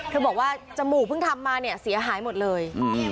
เธอบอกว่าจมูกเพิ่งทำมาเสียหายหมดเลย